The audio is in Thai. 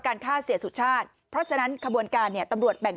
ฆ่าเสียสุชาติเพราะฉะนั้นขบวนการเนี่ยตำรวจแบ่ง